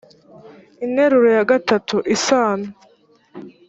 interuro ya iii isano